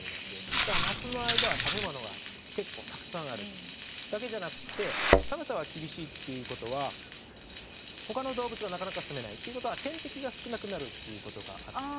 だから夏の間は食べ物が結構たくさんあるだけじゃなくって寒さが厳しいっていうことはほかの動物がなかなか住めない。ということは天敵が少なくなるっていうことがあって。